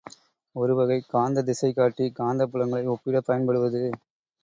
ஒரு வகைக் காந்தத் திசைக்காட்டி, காந்தப் புலங்களை ஒப்பிடப் பயன்படுவது.